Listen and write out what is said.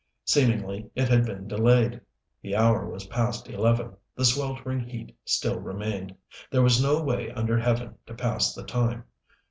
Seemingly it had been delayed. The hour was past eleven, the sweltering heat still remained. There was no way under Heaven to pass the time.